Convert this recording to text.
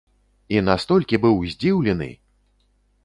І настолькі быў здзіўлены!